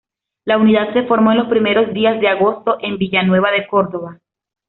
La unidad se formó en los primeros días de agosto en Villanueva de Córdoba.